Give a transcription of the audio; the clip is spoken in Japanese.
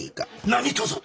何とぞ！